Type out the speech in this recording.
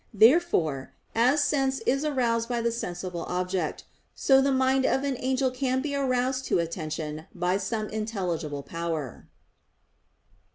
Therefore, as sense is aroused by the sensible object, so the mind of an angel can be aroused to attention by some intelligible power.